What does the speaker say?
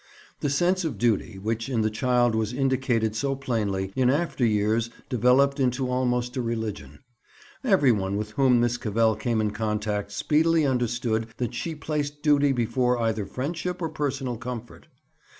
The sense of duty, which in the child was indicated so plainly, in after years developed into almost a religion. Every one with whom Miss Cavell came in contact speedily understood that she placed duty before either friendship or personal comfort.